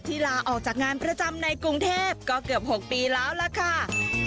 ลาออกจากงานประจำในกรุงเทพก็เกือบ๖ปีแล้วล่ะค่ะ